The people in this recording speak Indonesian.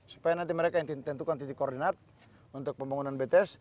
supaya nanti mereka yang ditentukan titik koordinat untuk pembangunan bts